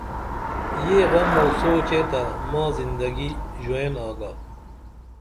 یہ غم اُو سوچے تہ ماں زندگی ژوئین آگا